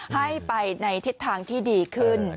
ให้ไปในทิศทางที่ดีขึ้น